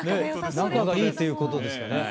仲がいいということですかね。